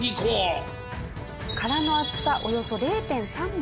殻の厚さおよそ０．３ミリ。